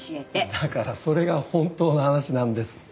だからそれが本当の話なんですって。